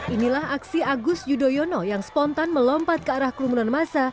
inilah aksi agus yudhoyono yang spontan melompat ke arah kerumunan masa